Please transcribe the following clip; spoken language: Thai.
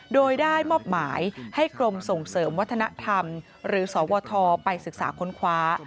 โดยได้มอบหมายให้กรมส่งเสริมวัฒนธรรมหรือสวทไปศึกษาค้นคว้า